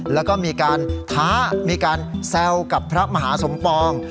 แล้วก็มีการท้ามีการแซวกับพระมหาสมปอง